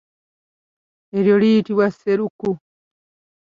Eryo liyitibwa sseruku.